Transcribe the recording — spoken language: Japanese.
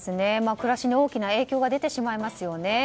暮らしに大きな影響が出てしまいますよね。